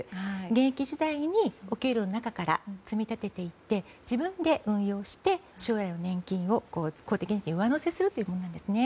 現役時代にお給料の中から積み立てていって自分で運用して将来の年金に上乗せするということですね。